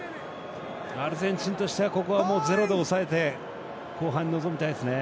アルゼンチンとしてはここはもうゼロで抑えて後半に臨みたいですね。